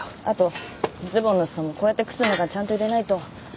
あとズボンのすそもこうやって靴の中にちゃんと入れないと。